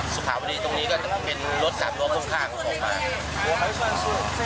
สุขาวดีตรงนี้ก็จะเป็นรถ๓รถพ่วงข้างออกมา